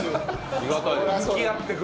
ありがたいです。